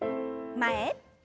前。